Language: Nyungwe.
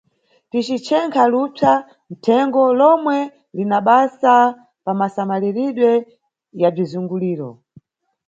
Ticichenkha lupsa nʼthengo lomwe linabasa pamasamaliridwe ya bzizunguliro.